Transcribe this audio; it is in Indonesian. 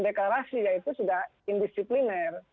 deklarasi ya itu sudah indisipliner